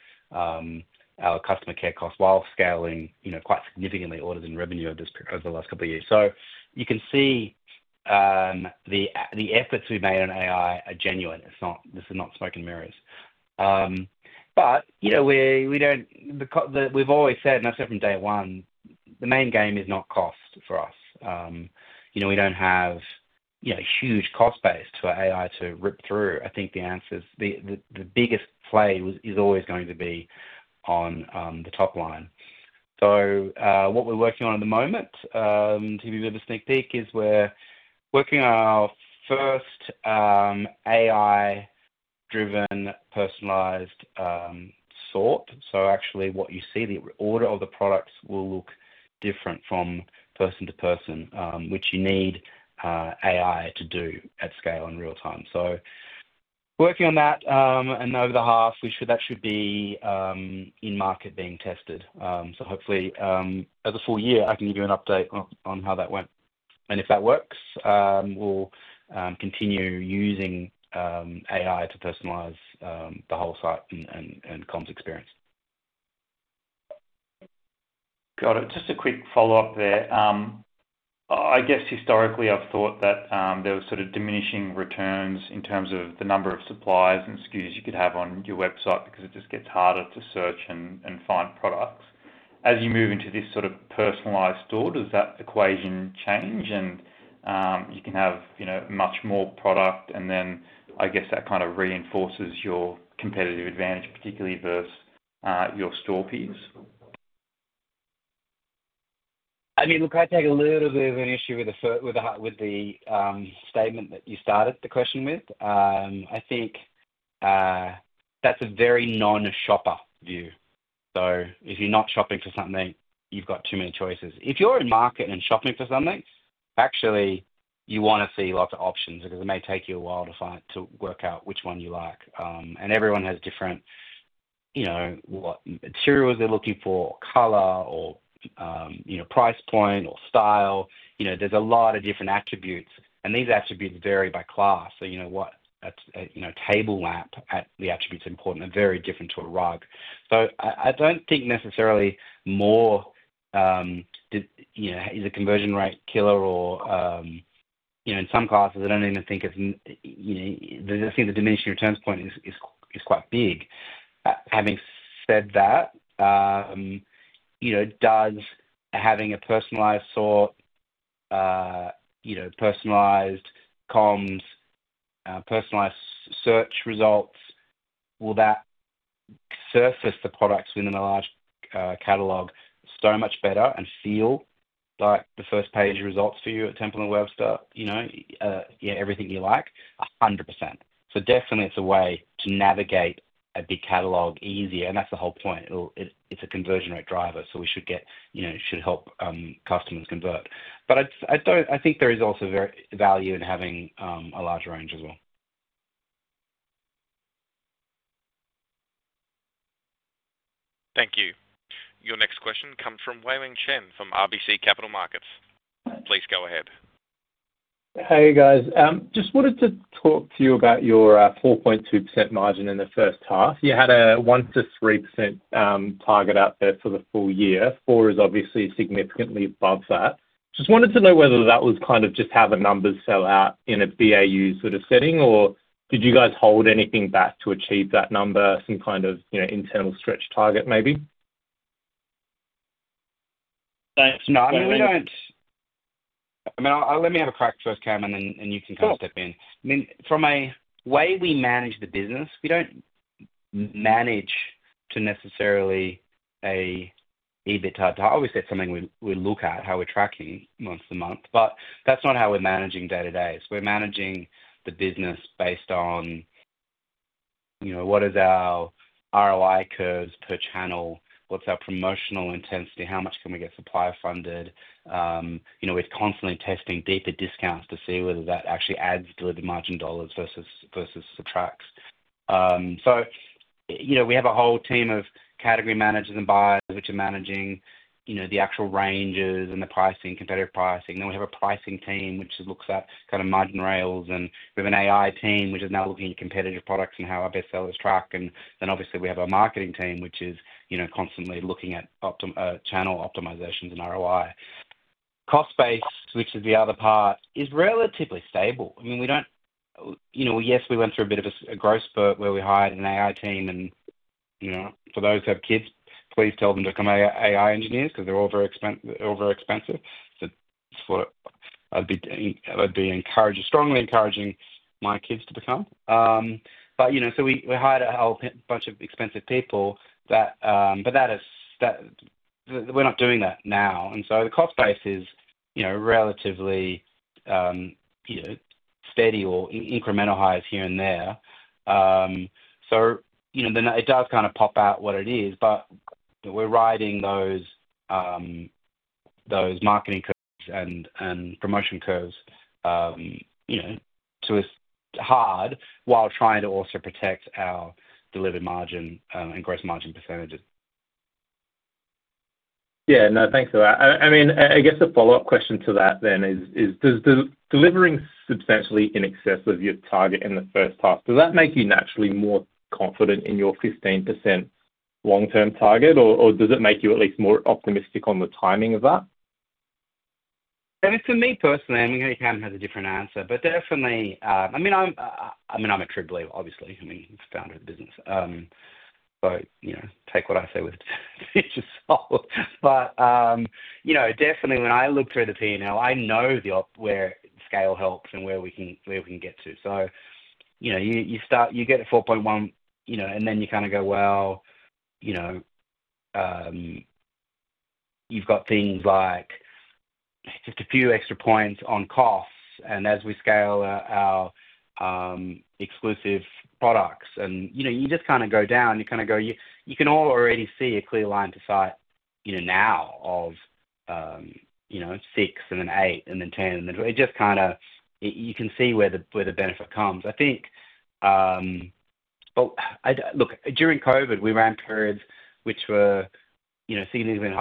our customer care costs while scaling quite significantly orders and revenue over the last couple of years. So you can see the efforts we've made on AI are genuine. This is not smoke and mirrors. But we've always said, and I've said from day one, the main game is not cost for us. We don't have a huge cost base for AI to rip through. I think the answer is the biggest play is always going to be on the top line. What we're working on at the moment, to give you a bit of a sneak peek, is we're working on our first AI-driven personalized sort. Actually, what you see, the order of the products will look different from person to person, which you need AI to do at scale in real time. Working on that. Over the half, that should be in market being tested. Hopefully, as a full-year, I can give you an update on how that went. If that works, we'll continue using AI to personalize the whole site and comms experience. Got it. Just a quick follow-up there. I guess historically, I've thought that there were sort of diminishing returns in terms of the number of suppliers and SKUs you could have on your website because it just gets harder to search and find products. As you move into this sort of personalized store, does that equation change? And you can have much more product, and then I guess that kind of reinforces your competitive advantage, particularly versus your store peers. I mean, look, I take a little bit of an issue with the statement that you started the question with. I think that's a very non-shopper view. So if you're not shopping for something, you've got too many choices. If you're in market and shopping for something, actually, you want to see lots of options because it may take you a while to work out which one you like. And everyone has different materials they're looking for, color or price point or style. There's a lot of different attributes. And these attributes vary by class. So the attributes that are important for a table are very different to a rug. So I don't think necessarily more is a conversion rate killer or in some classes, I don't even think it is. I think the diminishing returns point is quite big. Having said that, does having a personalized sort, personalized comms, personalized search results, will that surface the products within a large catalog so much better and feel like the first-page results for you at Temple & Webster? Yeah, everything you like, 100%, so definitely, it's a way to navigate a big catalog easier, and that's the whole point. It's a conversion rate driver, so we should help customers convert, but I think there is also value in having a large range as well. Thank you. Your next question comes from Wei-Weng Chen from RBC Capital Markets. Please go ahead. Hey, guys. Just wanted to talk to you about your 4.2% margin in the first half. You had a 1%-3% target out there for the full year. Four is obviously significantly above that. Just wanted to know whether that was kind of just how the numbers fell out in a BAU sort of setting, or did you guys hold anything back to achieve that number, some kind of internal stretch target maybe? No. I mean, Let me have a crack first, Cameron, and you can kind of step in. I mean, from a way we manage the business, we don't manage to necessarily a EBITDA. I always said something we look at how we're tracking month to month, but that's not how we're managing day to day. We're managing the business based on what is our ROI curves per channel, what's our promotional intensity, how much can we get supplier funded. We're constantly testing deeper discounts to see whether that actually adds delivered margin dollars versus subtracts. So we have a whole team of category managers and buyers which are managing the actual ranges and the pricing, competitive pricing. Then we have a pricing team which looks at kind of margin rails. And we have an AI team which is now looking at competitive products and how our best sellers track. And then, obviously, we have a marketing team which is constantly looking at channel optimizations and ROI. Cost base, which is the other part, is relatively stable. I mean, we do, yes, we went through a bit of a growth spurt where we hired an AI team. And for those who have kids, please tell them to become AI engineers because they're all very expensive. So I'd be strongly encouraging my kids to become. But so we hired a whole bunch of expensive people, but we're not doing that now. And so the cost base is relatively steady or incremental hires here and there. So then it does kind of pop out what it is, but we're riding those marketing curves and promotion curves too hard while trying to also protect our delivered margin and gross margin percentages. Yeah. No, thanks for that. I mean, I guess a follow-up question to that then is, does delivering substantially in excess of your target in the first half, does that make you naturally more confident in your 15% long-term target, or does it make you at least more optimistic on the timing of that? For me personally, I mean, Cameron has a different answer, but definitely, I mean, I'm a type A, obviously. I mean, founder of the business. So take what I say with a grain of salt. But definitely, when I look through the P&L, I know where scale helps and where we can get to. So you get a 4.1, and then you kind of go, well, you've got things like just a few extra points on costs. And as we scale our exclusive products, and you just kind of go down, you kind of go you can all already see a clear line of sight now of 6 and then 8 and then 10. And it just kind of you can see where the benefit comes. I think, look, during COVID, we ran periods which were significantly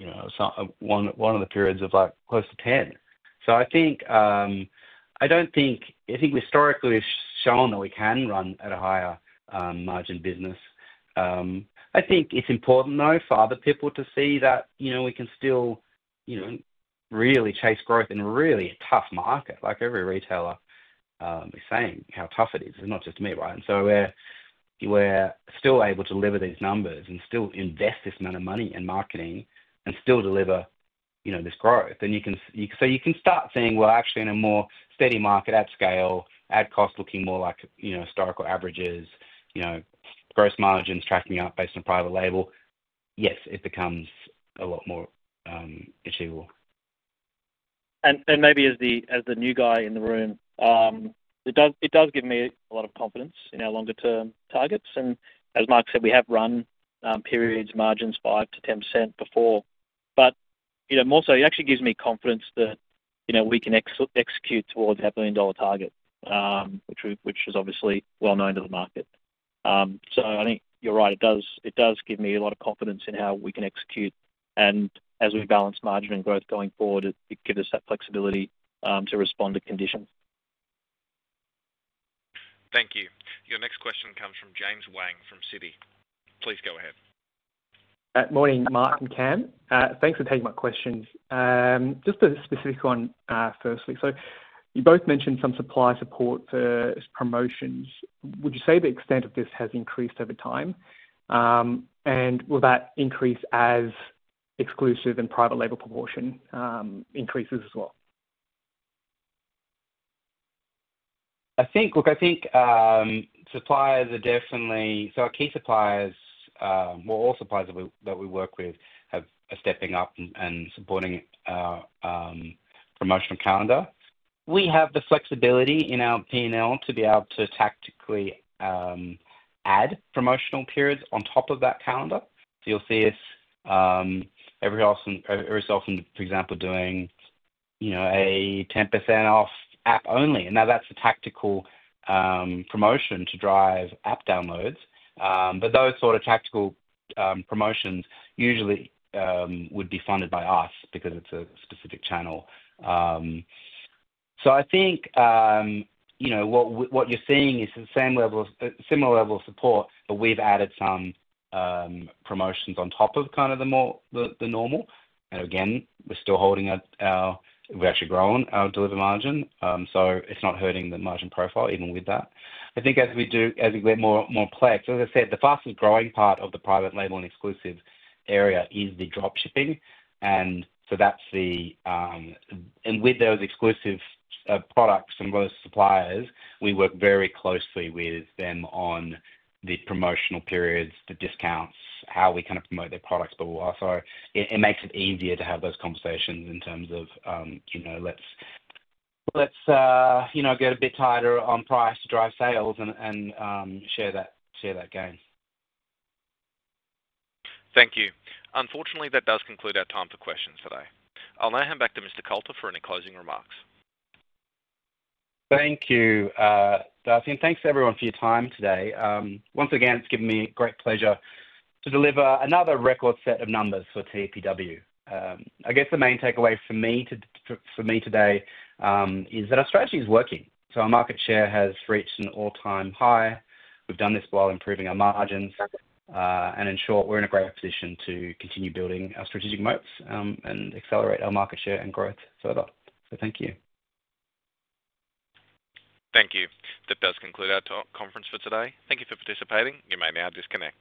higher than this. We had an EBITDA half of one of the periods of close to 10%. So I think historically it's shown that we can run at a higher margin business. I think it's important though for other people to see that we can still really chase growth in a really tough market. Like every retailer is saying how tough it is. It's not just me, right? And so we're still able to deliver these numbers and still invest this amount of money in marketing and still deliver this growth. And so you can start seeing, well, actually in a more steady market at scale, at cost, looking more like historical averages, gross margins tracking up based on private label. Yes, it becomes a lot more achievable. And maybe as the new guy in the room, it does give me a lot of confidence in our longer-term targets. And as Mark said, we have run periods margins 5%-10% before. But more so, it actually gives me confidence that we can execute towards our billion-dollar target, which is obviously well known to the market. So I think you're right. It does give me a lot of confidence in how we can execute. And as we balance margin and growth going forward, it gives us that flexibility to respond to conditions. Thank you. Your next question comes from James Wang from Citi. Please go ahead. Morning, Mark and Cameron. Thanks for taking my questions. Just a specific one firstly. So you both mentioned some supply support for promotions. Would you say the extent of this has increased over time? And will that increase as exclusive and private label proportion increases as well? I think, look, I think suppliers are definitely so our key suppliers. Well, all suppliers that we work with are stepping up and supporting our promotional calendar. We have the flexibility in our P&L to be able to tactically add promotional periods on top of that calendar. So you'll see us every so often, for example, doing a 10% off app only. And now that's a tactical promotion to drive app downloads. But those sort of tactical promotions usually would be funded by us because it's a specific channel. So I think what you're seeing is a similar level of support, but we've added some promotions on top of kind of the normal. And again, we've actually grown our delivered margin. So it's not hurting the margin profile even with that. I think as we get more scale, so as I said, the fastest growing part of the private label and exclusive area is the dropshipping. And so that's, and with those exclusive products from those suppliers, we work very closely with them on the promotional periods, the discounts, how we kind of promote their products. But also, it makes it easier to have those conversations in terms of let's get a bit tighter on price to drive sales and share that gain. Thank you. Unfortunately, that does conclude our time for questions today. I'll now hand back to Mr. Coulter for any closing remarks. Thank you, Darcy. Thanks everyone for your time today. Once again, it's given me a great pleasure to deliver another record set of numbers for TPW. I guess the main takeaway for me today is that our strategy is working, so our market share has reached an all-time high. We've done this while improving our margins, and in short, we're in a great position to continue building our strategic moats and accelerate our market share and growth further, so thank you. Thank you. That does conclude our conference for today. Thank you for participating. You may now disconnect.